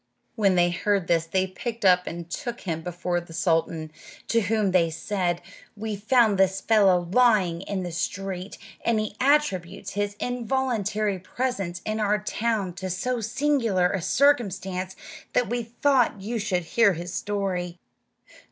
When they heard this they picked him up and took him before the sultan, to whom they said, "We found this fellow lying in the street, and he attributes his involuntary presence in our town to so singular a circumstance that we thought you should hear his story."